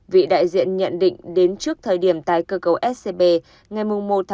vị đại diện nhận định đến trước thời điểm tài cơ cầu scb ngày một một hai nghìn một mươi hai